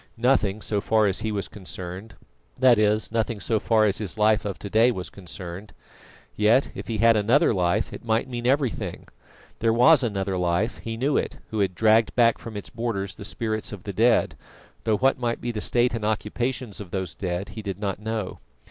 Nothing so far as he was concerned; that is, nothing so far as his life of to day was concerned. Yet, if he had another life, it might mean everything. There was another life; he knew it, who had dragged back from its borders the spirits of the dead, though what might be the state and occupations of those dead he did not know.